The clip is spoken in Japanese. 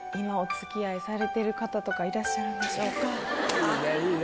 いいねいいね！